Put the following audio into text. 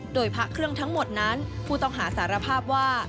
โดยพระเครื่องทั้งหมดนั้นผู้ต้องหาสารภาพว่า